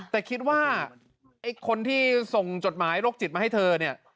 แต่คิดว่าไอ้คนที่ส่งจดหมายโรคจิตมาให้เธอเนี่ย